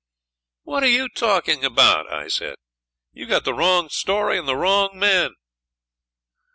'What are you talking about?' I said. 'You've got the wrong story and the wrong men.'